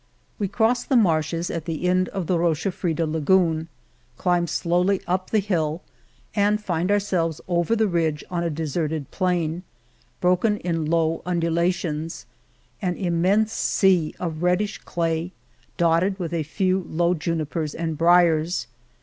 We cross the marshes at the end of the Rochafrida lagoon, climb slowly up the hill, and find ourselves over the ridge on a desert ed plain, broken in low undulations — an im mense sea of reddish clay dotted with a few low junipers and briars.